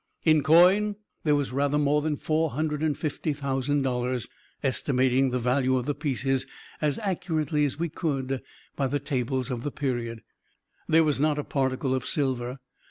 In coin, there was rather more than four hundred and fifty thousand dollars estimating the value of the pieces, as accurately as we could, by the tables of the period. There was not a particle of silver.